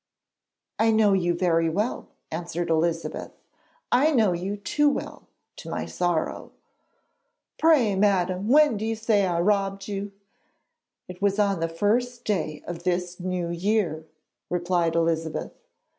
'I know you very well,' answered Elizabeth; 'I know you too well, to my sorrow.' 'Pray, madam, when do you say I robbed you?' 'It was on the first day of this New Year,' replied Elizabeth.